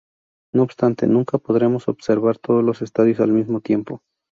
No obstante, nunca podremos observar todos los estadios al mismo tiempo.